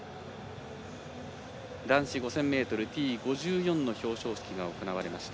男子５０００ｍＴ５４の表彰式が行われました。